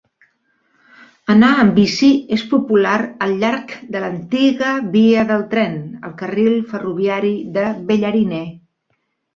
Anar amb bici és popular al llarg de l'antiga via del tren: el carril ferroviari de Bellarine.